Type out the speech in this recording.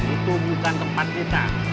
itu bukan tempat kita